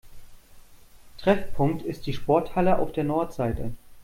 Treffpunkt ist die Sporthalle auf der Nordseite.